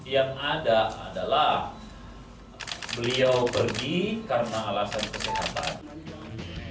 yang ada adalah beliau pergi karena alasan kesehatan